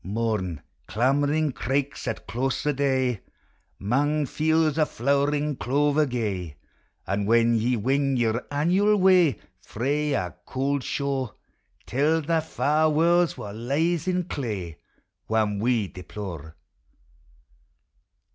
3G;> Mourn, clamoring eraiks at close o* day, 'Mang fields o' flowering clover gay ; And when ye wing your annual way Frae our cauld shore, Tell thae far warlds wha lies in clay, Wham we deplore.